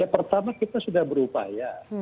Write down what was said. pertama kita sudah berupaya